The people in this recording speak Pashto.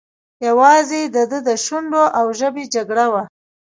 یوازې د ده د شونډو او ژبې جګړه وه.